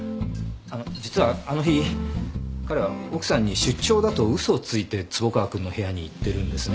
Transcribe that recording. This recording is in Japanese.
あの実はあの日彼は奥さんに出張だと嘘をついて坪川君の部屋に行ってるんですね。